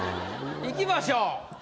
いきましょう。